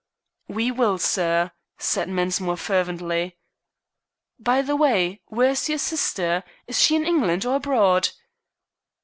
"We will, sir," said Mensmore fervently. "By the way, where is your sister? Is she in England or abroad?"